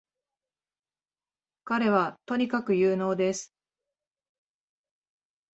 彼はとにかく有能です